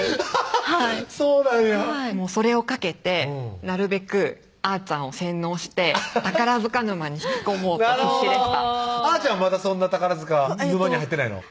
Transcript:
アハハッそうなんやそれをかけてなるべくあーちゃんを洗脳して宝塚沼に引き込もうと必死でしたあーちゃんはまだそんな宝塚沼に入ってないの？